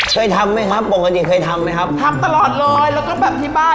เคยทำไหมครับปกติเคยทำไหมครับทำตลอดเลยแล้วก็แบบที่บ้าน